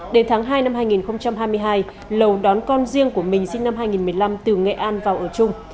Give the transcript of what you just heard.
đến tháng hai năm hai nghìn hai mươi hai lầu đón con riêng của mình sinh năm hai nghìn một mươi năm từ nghệ an vào ở chung